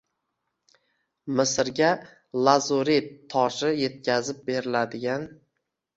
Misrga lazurit toshi yetkazib beriladigan.